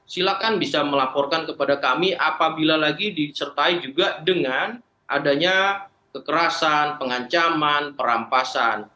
silakan bisa melaporkan kepada kami apabila lagi disertai juga dengan adanya kekerasan pengancaman perampasan